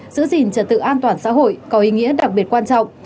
giữ gìn trật tự an toàn xã hội có ý nghĩa đặc biệt quan trọng